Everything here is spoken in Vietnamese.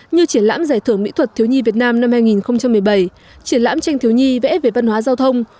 như triển lãm giải thưởng mỹ thuật thiếu nhi việt nam năm hai nghìn một mươi bảy triển lãm tranh thiếu nhi vẽ về văn hóa giao thông